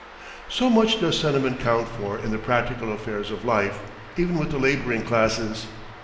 So much does sentiment count for in the practical affairs of life, even with the laboring classes.